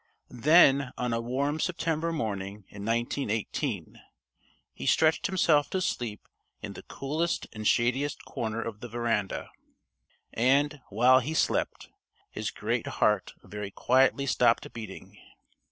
Then, on a warm September morning in 1918, he stretched himself to sleep in the coolest and shadiest corner of the veranda. And, while he slept, his great heart very quietly stopped beating.